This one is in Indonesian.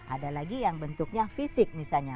ada lagi yang bentuknya fisik misalnya